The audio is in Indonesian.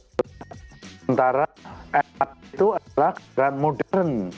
sementara itu adalah keadaan modern